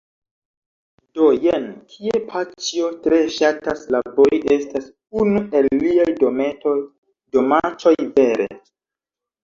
Do, jen kie paĉjo tre ŝatas labori estas unu el liaj dometoj, domaĉoj vere